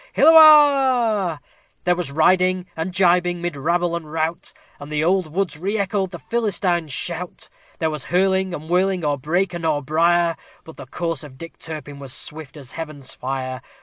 Hilloah! There was riding and gibing mid rabble and rout, And the old woods re echoed the Philistines' shout! There was hurling and whirling o'er brake and o'er brier, But the course of Dick Turpin was swift as Heaven's fire.